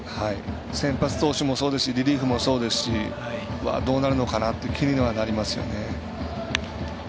先発投手もそうですしリリーフもそうですしどうなるのかなと気にはなりますよね。